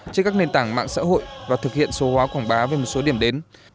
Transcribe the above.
trên các nền tảng mạng xã hội và thực hiện số hóa quảng bá về một số điểm đến